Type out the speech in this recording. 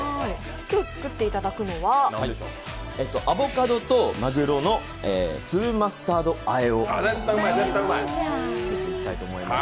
今日、作っていただくのはアボカドとまぐろの粒マスタード和えを作りたいと思います。